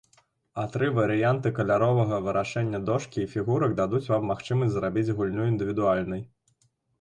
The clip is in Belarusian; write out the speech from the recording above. А тры варыянты каляровага вырашэння дошкі і фігурак дадуць вам магчымасць зрабіць гульню індывідуальнай.